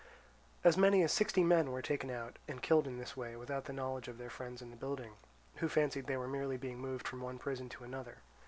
As many as sixty men were taken out and killed in this way without the knowledge of their friends in the building, who fancied they were merely being moved from one prison to another.